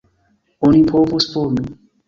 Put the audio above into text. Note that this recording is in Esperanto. Oni povus vomi.